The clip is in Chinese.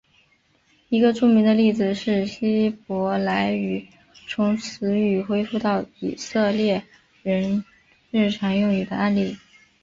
一个最著名的例子是希伯来语从死语恢复到以色列人日常用语的案例。